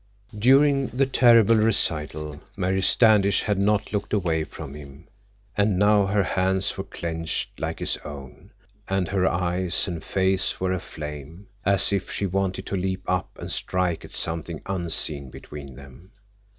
During the terrible recital Mary Standish had not looked away from him, and now her hands were clenched like his own, and her eyes and face were aflame, as if she wanted to leap up and strike at something unseen between them.